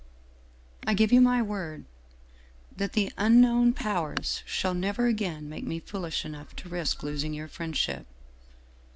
I give you my word that the ' Unknown Powers ' shall never again make me foolish enough to risk losing your friendship!